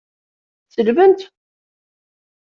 Tselbemt?